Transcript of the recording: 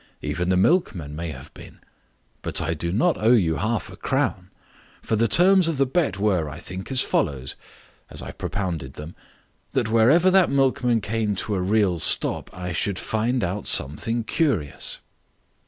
Even the milkman may have been. But I do not owe you half a crown. For the terms of the bet were, I think, as follows, as I propounded them, that wherever that milkman came to a real stop I should find out something curious."